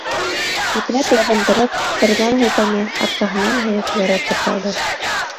Ипләп ябындырып, сәстәренән һыйпаны, арҡаһынан һөйөп яратып алды.